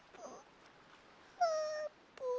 あーぷん。